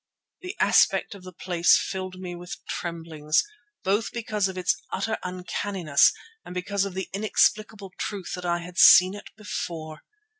The aspect of the place filled me with tremblings, both because of its utter uncanniness and because of the inexplicable truth that I had seen it before.